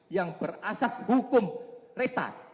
yang berasas hukum resta